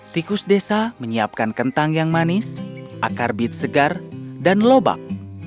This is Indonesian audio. tikus desa menyiapkan kentang yang manis akar bit segar dan lobak